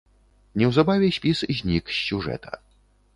Неўзабаве спіс знік з сюжэта.